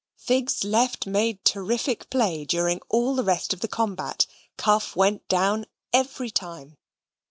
Figs's left made terrific play during all the rest of the combat. Cuff went down every time.